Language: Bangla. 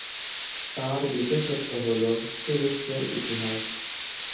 তাঁর বিশেষত্ব হল "তুরস্কের ইতিহাস"।